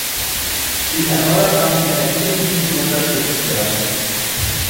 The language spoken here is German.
Die erneuerbaren Energien müssen unterstützt werden.